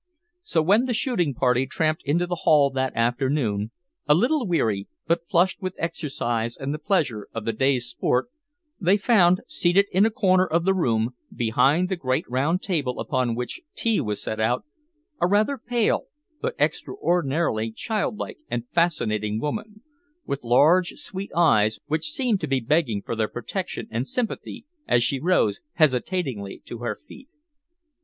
So when the shooting party tramped into the hall that afternoon, a little weary, but flushed with exercise and the pleasure of the day's sport, they found, seated in a corner of the room, behind the great round table upon which tea was set out, a rather pale but extraordinarily childlike and fascinating woman, with large, sweet eyes which seemed to be begging for their protection and sympathy as she rose hesitatingly to her feet.